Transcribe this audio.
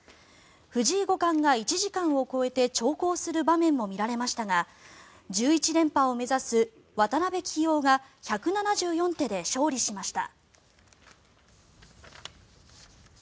藤井五冠が１時間を超えて長考する場面も見られましたが１１連覇を目指す渡辺棋王が１７４手で勝利しました。